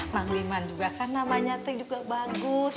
kang diman juga kan namanya teh juga bagus